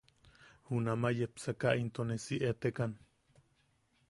Junamaʼa yepsaka into ne si etekan.